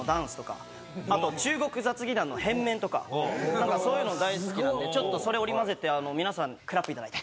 何かそういうの大好きなんでちょっとそれ織り交ぜて皆さんクラップいただいて。